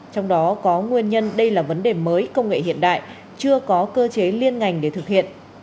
trong đó có nguyên nhân đây là vấn đề mới công nghệ hiện đại chưa có cơ chế liên ngành để thực hiện